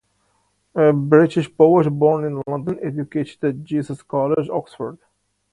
British poet, born in London, educated at Jesus College, Oxford.